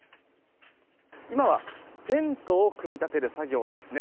今はテントを組み立てる作業ですね。